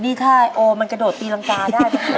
นี่ถ้าไอโอมันกระโดดตีรังกาได้